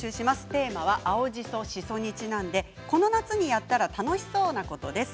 テーマは青じそ、しそにちなんでこの夏にやったら楽シソうなことです。